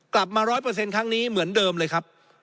กลับมา๑๐๐ครั้งนี้เหมือนเดิมเลยครับ